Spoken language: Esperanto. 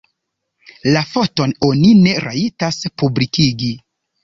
La foton oni ne rajtas publikigi.